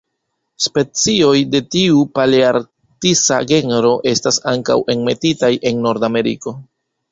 Specioj de tiu palearktisa genro estas ankaŭ enmetitaj en Nordameriko.